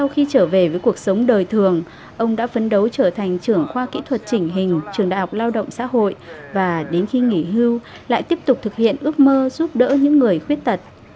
khi trở về với cuộc sống đời thường ông đã phấn đấu trở thành trưởng khoa kỹ thuật chỉnh hình trường đại học lao động xã hội và đến khi nghỉ hưu lại tiếp tục thực hiện ước mơ giúp đỡ những người khuyết tật